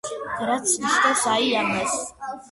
რაც ნიშნავს აი ამას.